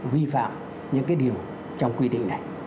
huy phạm những cái điều trong quy định này